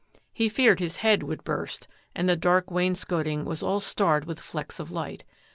He feared his head would burst and the dark wainscotmg was all starred with flecks of light.